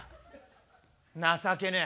情けねえ。